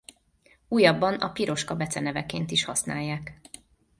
Újabban a Piroska beceneveként is használják.